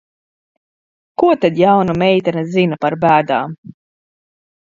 Ko tāda jauna meitene zina par bēdām?